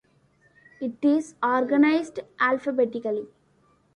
It is organized alphabetically.